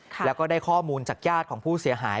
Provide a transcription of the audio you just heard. แล้วก็ได้ข้อมูลจากญาติของผู้เสียหาย